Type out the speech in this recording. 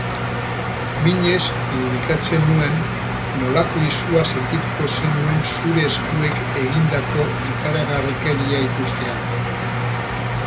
Minez irudikatzen nuen, nolako izua sentituko zenuen zure eskuek egindako ikaragarrikeria ikustean.